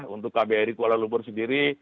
untuk kbri kuala lumpur sendiri